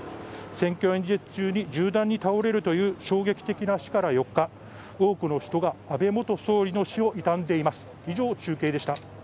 選挙演説中に銃弾に倒れるという衝撃的な死から４日、多くの人が安倍元総理の死を悼んでいます。